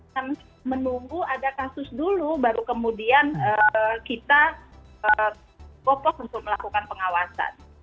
dan menunggu ada kasus dulu baru kemudian kita popos untuk melakukan pengawasan